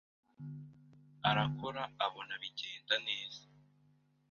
arakora abona bigenda neza